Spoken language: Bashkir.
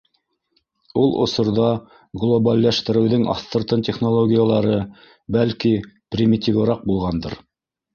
Ул осорҙа глобалләштереүҙең аҫтыртын технологиялары, бәлки, примитивыраҡ булғандыр.